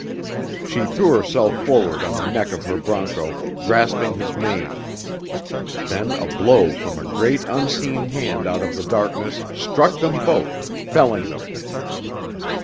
She threw herself forward on the neck of her broncho, grasping his mane. Then a blow from a great unseen hand out of the darkness struck them both, felling them.